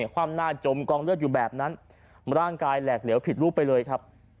ความหน้าจมกองเลือดอยู่แบบนั้นร่างกายแหลกเหลวผิดรูปไปเลยครับ